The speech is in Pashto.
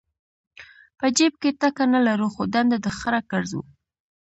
په جیب کې ټکه نه لرو خو ډنډه د خره ګرځو.